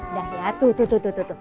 udah ya tutup tutup tutup